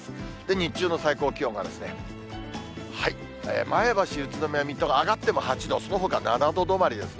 日中の最高気温が、前橋、宇都宮、水戸が上がっても８度、そのほか７度止まりですね。